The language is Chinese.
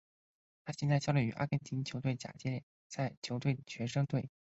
他现在效力于阿根廷足球甲级联赛球队学生队。